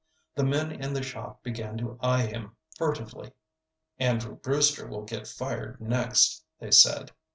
The men in the shop began to eye him furtively. "Andrew Brewster will get fired next," they said.